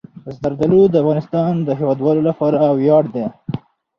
زردالو د افغانستان د هیوادوالو لپاره ویاړ دی.